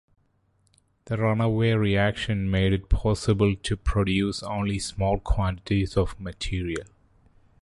The runaway reaction made it possible to produce only small quantities of material.